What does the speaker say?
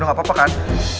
minum dulu papa kan